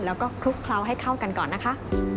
แล้วก็คลุกเคล้าให้เข้ากันก่อนนะคะ